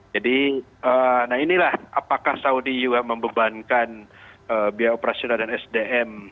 jadi nah inilah apakah saudi juga membebankan biaya operasional dan sdm